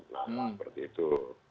nah seperti itu